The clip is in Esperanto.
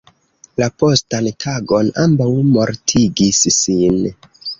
La postan tagon ambaŭ mortigis sin.